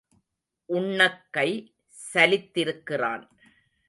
உண்ணக் கை சலித்திருக்கிறான்.